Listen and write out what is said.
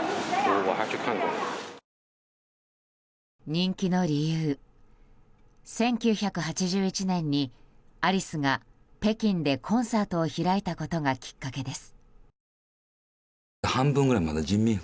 人気の理由、１９８１年にアリスが北京でコンサートを開いたことがきっかけです。